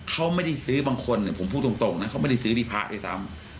เขาไม่ได้ซื้อบางคนผมพูดตรงนะเขาไม่ได้ซื้อที่พระด้วยซ้ำ